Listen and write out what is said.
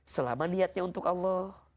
selama niatnya untuk allah